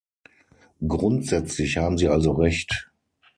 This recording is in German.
Grundsätzlich haben Sie also Recht.